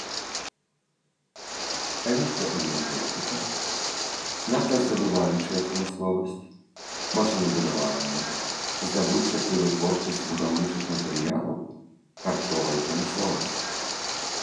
Электраэнергетыка, нафтаздабываючая прамысловасць, машынабудаванне, здабыча і вытворчасць будаўнічых матэрыялаў, харчовая прамысловасць.